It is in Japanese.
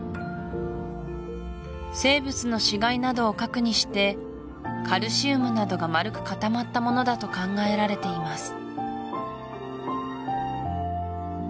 生物の死骸などを核にしてカルシウムなどが丸く固まったものだと考えられています